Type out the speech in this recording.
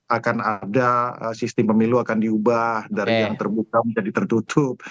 akan ada sistem pemilu akan diubah dari yang terbuka menjadi tertutup